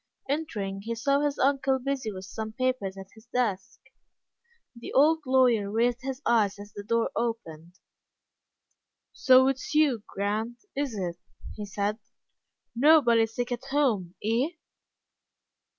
Entering, he saw his uncle busy with some papers at his desk. The old lawyer raised his eyes as the door opened. "So it's you, Grant, is it?" he said. "Nobody sick at home, eh?"